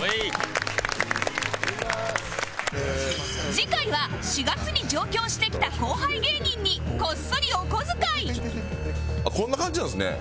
次回は４月に上京してきた後輩芸人にこっそりお小遣いこんな感じなんですね。